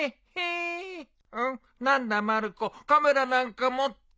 何だまる子カメラなんか持って。